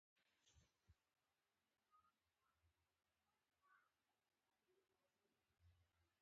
آیا کاناډا ته سلام نه دی؟